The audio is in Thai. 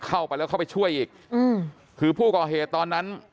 เข้าไปแล้วเข้าไปช่วยอีกอืมคือผู้ก่อเหตุตอนนั้น